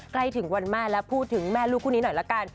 ใกล้ถึงวันแม่แล้วพูดถึงแม่ลูกคู่นี้หน่อยละกัน